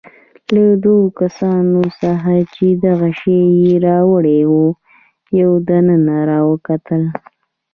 له دوو کسانو څخه چې دغه شی يې راوړی وو، یو دننه راوکتل.